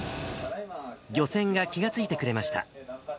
漁船が気が付いてくれました。